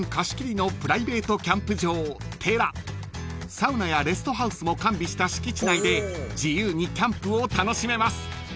［サウナやレストハウスも完備した敷地内で自由にキャンプを楽しめます］